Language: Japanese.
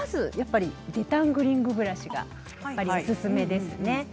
デタングリングブラシがおすすめです。